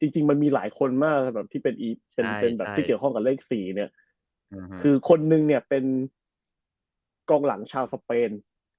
จริงมันมีหลายคนมากที่เกี่ยวข้องกับเลข๔คือคนหนึ่งเนี่ยเป็นกองหลังชาวสเปน